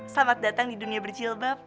selamat datang di dunia berjilbab